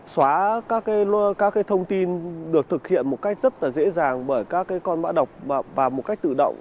xóa các thông tin được thực hiện một cách rất là dễ dàng bởi các con mã đọc và một cách tự động